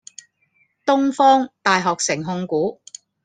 東方大學城控股